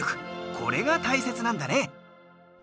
これが大切なんだね。